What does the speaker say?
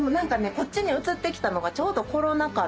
こっちに移ってきたのがちょうどコロナ禍で。